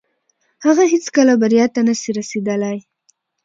هغه هيڅکه بريا ته نسي رسيدلاي.